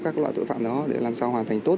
các loại tội phạm đó để làm sao hoàn thành tốt